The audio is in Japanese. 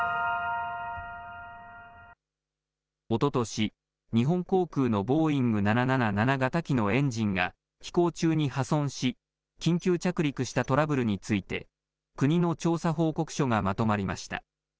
おととし、日本航空のボーイング７７７型機のエンジンが飛行中に破損し緊急着陸したトラブルについて国の調査報告書がまとまりました。